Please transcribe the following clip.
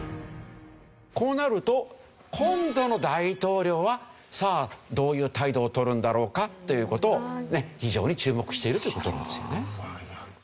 こうなると今度の大統領はさあどういう態度をとるんだろうかという事を非常に注目しているという事なんですよね。